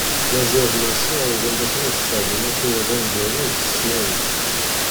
Maziɣ d Massi wwḍen-d akken ad sɛeddin akayad aneggaru deg tesnawit.